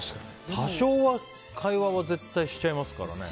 多少は会話は絶対しちゃいますからね。